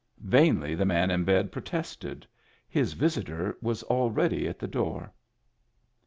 Vainly the man in bed protested; his visitor was already at the door.